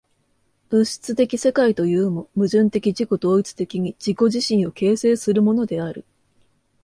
物質的世界というも、矛盾的自己同一的に自己自身を形成するものである。